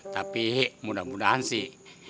tapi mudah mudahan sih